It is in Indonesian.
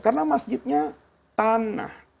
karena masjidnya tanah